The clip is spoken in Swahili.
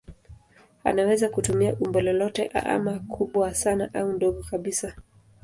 Anaweza kutumia umbo lolote ama kubwa sana au dogo kabisa.